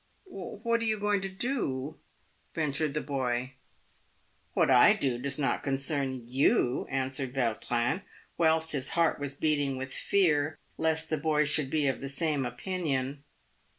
" What are you going to do ?" ventured the boy. " What I do does not concern you," answered Vautrin, whilst his heart was beating with fear lest the boy should be of the same opinion.